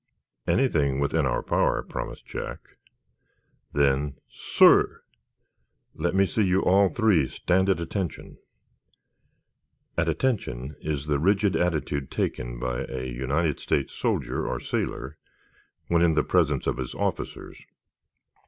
"Anything within our power," promised Jack. "Then, SIR, let me see you all three stand 'at attention.'" "At attention" is the rigid attitude taken by a United States soldier or sailor when in the presence of his officers.